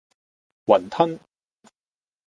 餛飩